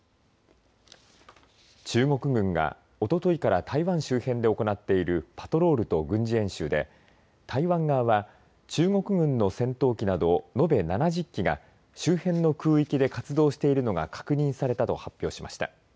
中国軍がおとといから台湾周辺で行っているパトロールと軍事演習で台湾側は中国軍の戦闘機など延べ７０機が周辺の空域で活動しているのが確認されたと発表しました。